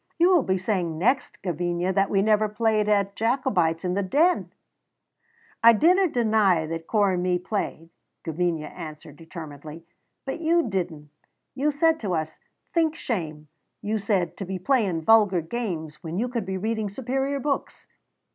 "You will be saying next, Gavinia, that we never played at Jacobites in the Den!" "I dinna deny that Corp and me played," Gavinia answered determinedly, "but you didna. You said to us, 'Think shame,' you said, 'to be playing vulgar games when you could be reading superior books.'